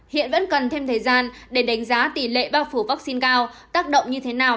hiện vẫn cần thêm thời gian để đánh giá tỷ lệ bao phủ vaccine cao tác động như thế nào